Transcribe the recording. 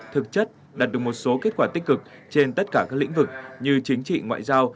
thực chất đạt được một số kết quả tích cực trên tất cả các lĩnh vực như chính trị ngoại giao